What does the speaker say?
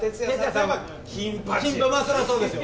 そりゃそうですよ